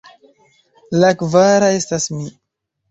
La kvara estas mi.